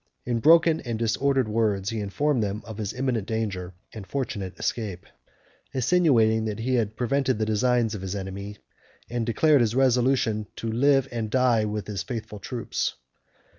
In broken and disordered words he informed them of his imminent danger, and fortunate escape; insinuating that he had prevented the designs of his enemy, and declared his resolution to live and die with his faithful troops.